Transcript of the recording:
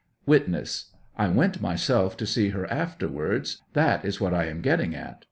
] 9 98 "Witness — I went myself to see her afterwards ; that is what I am getting at.